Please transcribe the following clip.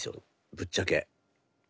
ぶっちゃけ。